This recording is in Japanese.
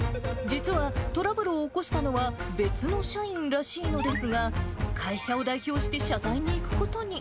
実はトラブルを起こしたのは別の社員らしいのですが、会社を代表して謝罪に行くことに。